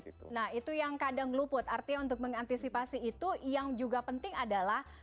nah itu yang kadang luput artinya untuk mengantisipasi itu yang juga penting adalah